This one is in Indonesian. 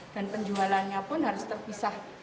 dan penjualannya pun harus terpisah